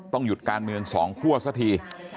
ต้องหยุดการเมือง๒คั่วสักที